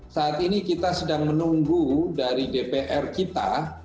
saat ini kita sedang menunggu dari dpr kita